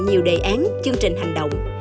nhiều đề án chương trình hành động